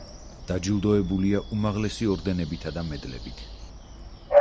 დაჯილდოებულია უმაღლესი ორდენებითა და მედლებით.